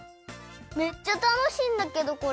めっちゃたのしいんだけどこれ。